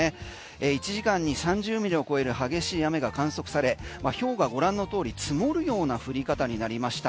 １時間に３０ミリを超える激しい雨が観測されひょうがご覧の通り積もるような降り方になりました。